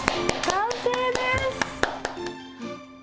完成です。